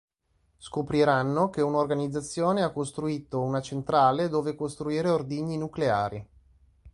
Scopriranno che un'organizzazione ha costruito una centrale dove costruire ordigni nucleari.